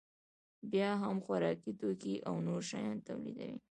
بیا هم خوراکي توکي او نور شیان تولیدوي